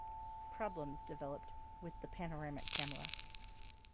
Problems developed with the Panoramic Camera.